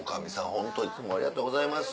ホントいつもありがとうございます。